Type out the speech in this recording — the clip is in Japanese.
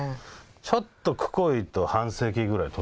ちょっとくこいと半世紀ぐらい年が離れて。